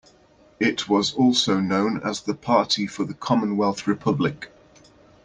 It was also known as the Party for the Commonwealth-Republic.